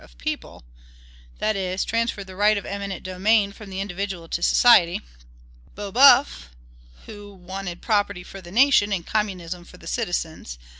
of the people, that is, transferred the right of eminent domain from the individual to society; Babeuf, who wanted property for the nation, and communism for the citizens; M.